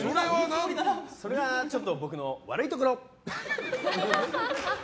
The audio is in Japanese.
それはちょっと僕の悪いところ！